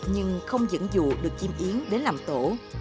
nhưng không dẫn dụ được chim yến đến làm tổ